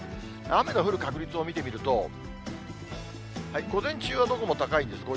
雨の降る確率を見てみると、午前中はどこも高いんです。